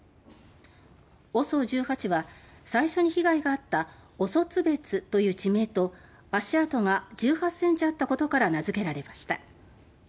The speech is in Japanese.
「ＯＳＯ１８」は最初に被害があったオソツベツという地名と足跡が１８ｃｍあったことから名付けられました。